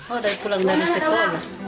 oh dari pulang dari sekolah